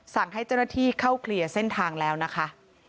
สั่งให้จรภิเข้าเคลียร์เส้นทางแล้วนะคะ